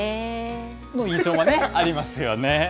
の印象がありますよね。